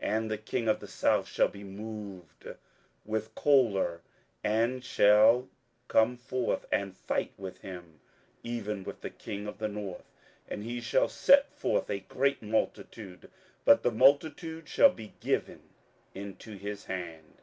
27:011:011 And the king of the south shall be moved with choler, and shall come forth and fight with him, even with the king of the north: and he shall set forth a great multitude; but the multitude shall be given into his hand.